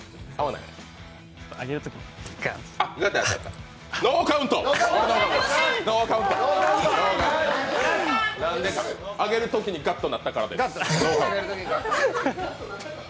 なんでか、上げるときにガッとなったからです。